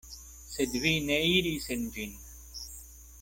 Sed vi ne iris en ĝin.